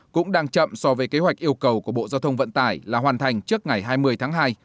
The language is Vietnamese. cũng đang chậm so với kế hoạch yêu cầu của bộ giao thông vận tải là hoàn thành trước ngày hai mươi tháng hai